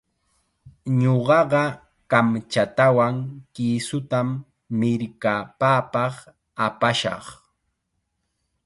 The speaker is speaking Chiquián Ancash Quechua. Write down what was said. Ñuqaqa kamchatawan kisutam mirkapapaq apashaq.